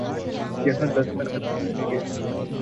یہاں دستخط کیجئے